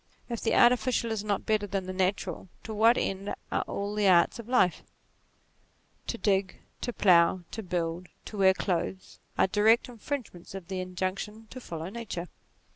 If the artificial is not better than the natural, to what end are all the arts of life ? To dig, to plough, to build, to wear clothes, are direct infringements of the injunc tion to follow nature.